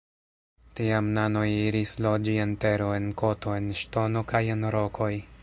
Tiam nanoj iris loĝi en tero, en koto, en ŝtono kaj en rokoj.